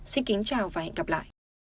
xin kính chào và hẹn gặp lại